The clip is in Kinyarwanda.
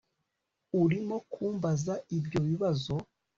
urimo kumbaza ibyo bibazo